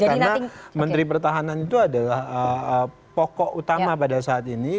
karena menteri pertahanan itu adalah pokok utama pada saat ini